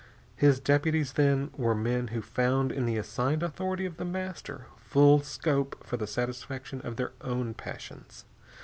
His deputies, then, were men who found in the assigned authority of The Master full scope for the satisfaction of their own passions.